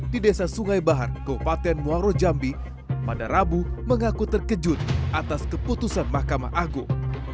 di desa sungai bahar kepatian muarodjambi pada rabu mengaku terkejut atas keputusan makamah agung